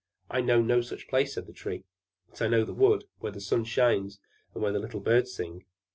"I know no such place," said the Tree. "But I know the wood, where the sun shines and where the little birds sing."